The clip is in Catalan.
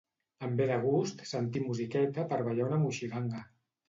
Em ve de gust sentir musiqueta per ballar una moixiganga.